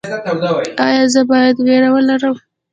ایا زه باید ویره ولرم؟